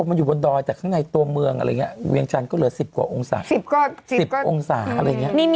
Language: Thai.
ลบไปเยอะใช่ไหม